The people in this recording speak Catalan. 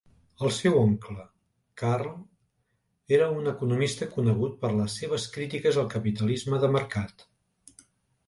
El seu oncle, Karl, era un economista conegut per les seves crítiques al capitalisme de mercat.